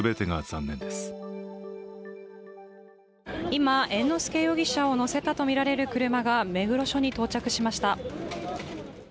今、猿之助容疑者を乗せたとみられる車が目黒署に到着しました。